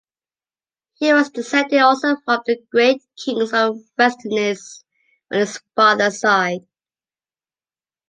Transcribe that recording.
He was descended also from the great Kings of Westernesse on his father's side.